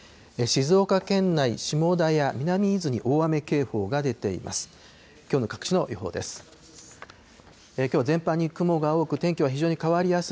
静岡県内、下田や南伊豆に大雨警報が出ています。